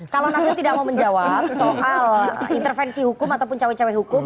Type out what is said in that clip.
kalau nasdem tidak mau menjawab soal intervensi hukum ataupun cawe cawe hukum